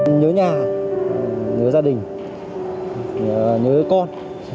nhớ nhà nhớ gia đình nhớ con